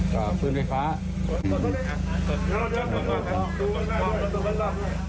ตัดตัดเลยตัดตัด